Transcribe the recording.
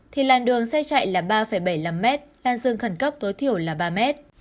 thì làn đường xe chạy là ba bảy mươi năm m làn dừng khẩn cấp tối thiểu là ba m